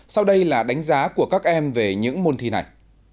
sau đây là đánh giá của các em về những môn thi này